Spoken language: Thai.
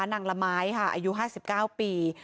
นางละไม้อายุ๕๙ปี